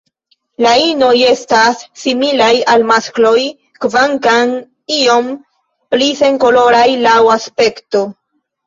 La inoj estas similaj al maskloj kvankam iom pli senkoloraj laŭ aspekto.